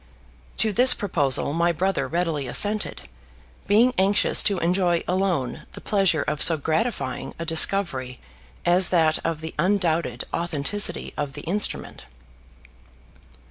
To this proposal my brother readily assented, being anxious to enjoy alone the pleasure of so gratifying a discovery as that of the undoubted authenticity of the instrument.